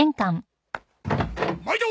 まいど！